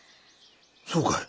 そうかい。